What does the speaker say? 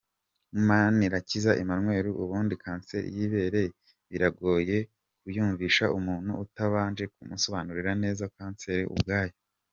Manirakiza Emmanuel: Ubundi kanseri y’ibere biragoye kuyumvisha umuntu utabanje kumusobanurira neza kanseri ubwayo.